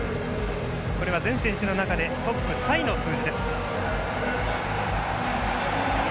これは全選手の中でトップタイの数字です。